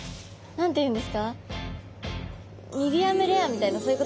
何て言うんですかそう。